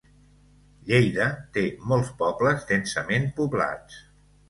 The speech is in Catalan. Lleida té molts pobles densament poblats.